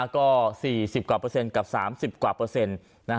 ก็๔๐กว่าเปอร์เซ็นกับ๓๐กว่าเปอร์เซ็นต์